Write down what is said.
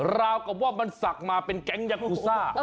เราก็ว่ามันสักมาเป็นแก๊งยากุศุ